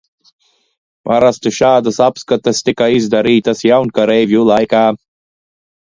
Parasti šādas apskates tika izdarītas jaunkareivju laikā.